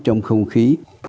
trong không khí